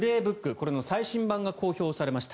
これの最新版が公表されました。